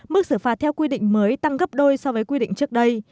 mức xử phạt theo quy định mới tăng gấp đôi so với quy định trước đây